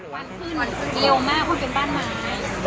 ขึ้นเร็วมากคุณเป็นบ้านหมา